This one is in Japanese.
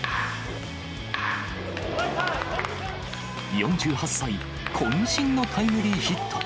４８歳、こん身のタイムリーヒット。